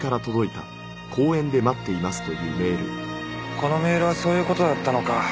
このメールはそういう事だったのか。